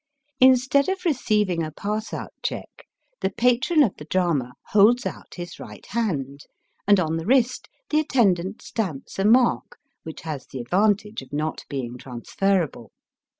Instead of receiv ing a pass out check, the patron of the drama holds out his right hand, and on the wrist the attendant stamps a mark, which has the advantage of not being transferable.